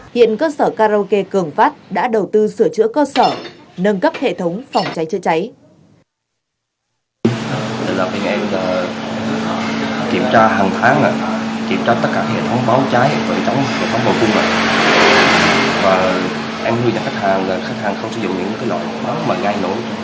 hiện cơ sở karaoke cường phát đã đầu tư sửa chữa cơ sở nâng cấp hệ thống phòng cháy chữa cháy